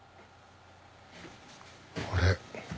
あれ？